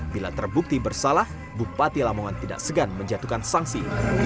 bila terbukti bersalah bupati lamongan tidak segan menjatuhkan sanksi